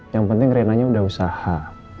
yang penting reina nya udah usaha